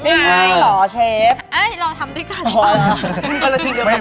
ได้ทานหรอเชฟรอทำดีกว่าเหรอครับเหรอ